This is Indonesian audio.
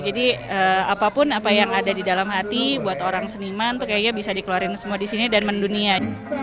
jadi apapun yang ada di dalam hati buat orang seniman itu kayaknya bisa dikeluarin semua di sini dan mendunia